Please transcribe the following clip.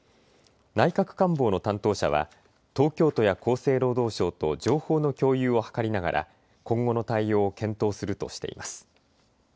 内閣官房の担当者は東京都や厚生労働省と情報の共有を図りながら今後の対応を検討するとしています。